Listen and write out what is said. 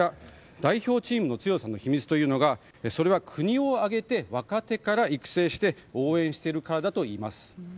代表チームの強さの秘密というのがそれは国を挙げて若手から育成して応援しているからだといいます。